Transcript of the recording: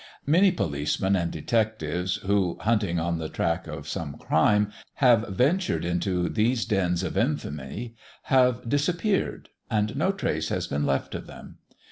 Many policemen and detectives, who, hunting on the track of some crime, have ventured into these dens of infamy have disappeared, and no trace has been left of them.